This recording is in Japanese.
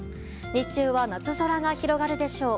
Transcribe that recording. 日中は夏空が広がるでしょう。